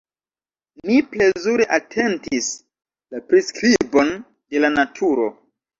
Mi plezure atentis la priskribon de la naturo.